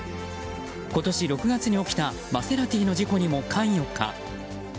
今年６月に起きたマセラティの事故にも関与か。